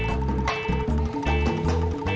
assalamualaikum bu haji